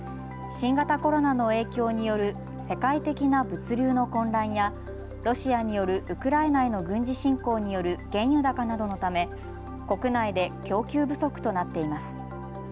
新型コロナの影響による世界的な物流の混乱やロシアによるウクライナへの軍事侵攻による原油高などのため国内で供給不足となっています。